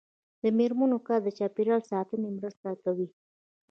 د میرمنو کار د چاپیریال ساتنې مرسته کوي.